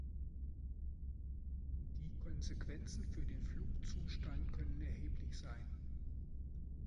Die Konsequenzen für den Flugzustand können erheblich sein.